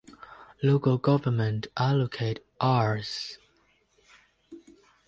The local government allocated Rs.